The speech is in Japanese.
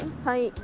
はい。